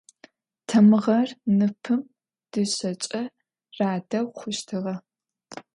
Тамыгъэр ныпым дышъэкӏэ радэу хъущтыгъэ.